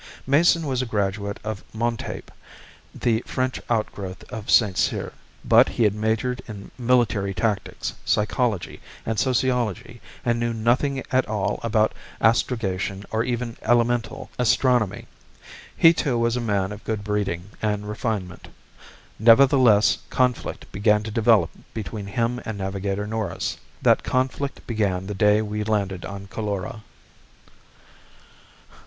Mason was a graduate of Montape, the French outgrowth of St. Cyr. But he had majored in military tactics, psychology and sociology and knew nothing at all about astrogation or even elemental astronomy. He too was a man of good breeding and refinement. Nevertheless conflict began to develop between him and Navigator Norris. That conflict began the day we landed on Coulora.